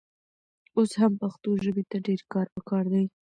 اوس هم پښتو ژبې ته ډېر کار پکار دی.